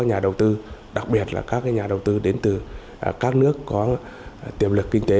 nhà đầu tư đặc biệt là các nhà đầu tư đến từ các nước có tiềm lực kinh tế